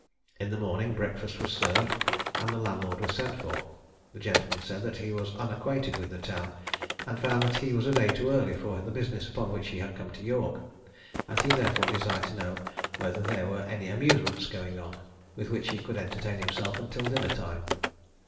In the morning breakfast was served, and the landlord was sent for. The gentleman said that he was unacquainted with the town, and found that he was a day too early for the business upon which he had come to York: and he therefore desired to know whether there were any amusements going on, with which he could entertain himself until dinner time.